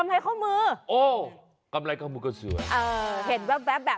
เห็นอะไรคะ